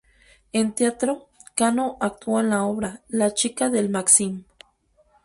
En teatro, Cano actuó en la obra "La chica del Maxim".